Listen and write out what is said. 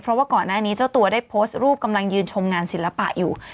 เพราะว่าก่อนหน้านี้เจ้าตัวได้โพสต์รูปกำลังยืนชมงานศิลปะอยู่